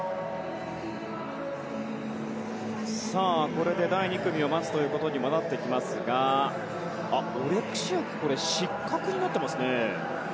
これで第２組を待つことになってきますがオレクシアク失格になってますね。